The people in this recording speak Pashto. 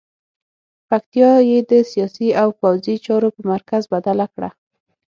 پکتیا یې د سیاسي او پوځي چارو په مرکز بدله کړه.